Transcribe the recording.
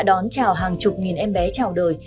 đón trào hàng chục nghìn em bé trào đời